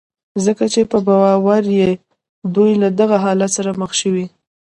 ځکه چې په باور يې دوی له دغه حالت سره مخ شوي دي.